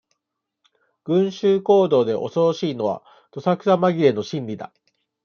群衆行動で恐ろしいのは、どさくさまぎれの心理だ。